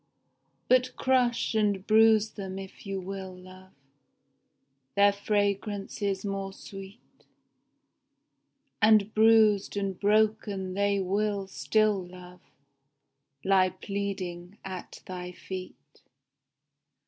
But crush and bruise them if you will, love, Their fragrance is more sweet, And bruised and broken they will still, love. Lie pleading at thy feet.